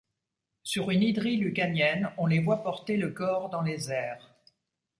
Sur une hydrie lucanienne, on les voit porter le corps dans les airs.